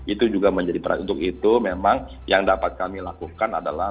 itu juga menjadi peran untuk itu memang yang dapat kami lakukan adalah